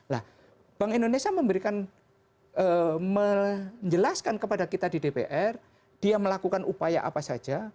nah bank indonesia memberikan menjelaskan kepada kita di dpr dia melakukan upaya apa saja